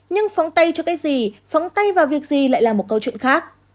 nhưng phóng tay cho cái gì phóng tay vào việc gì lại là một câu chuyện khác